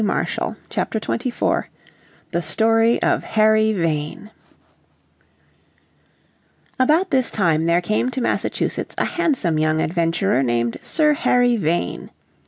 __________ Chapter 24 The Story of Harry Vane About this time there came to Massachusetts a handsome young adventurer named Sir Harry Vane.